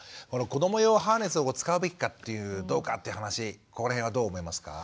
子ども用ハーネスを使うべきかっていうどうかっていう話ここら辺はどう思いますか？